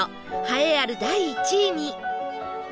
栄えある第１位に！